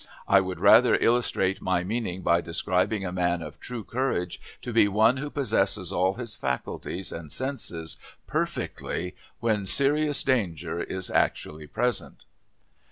I would further illustrate my meaning by describing a man of true courage to be one who possesses all his faculties and senses perfectly when serious danger is actually present.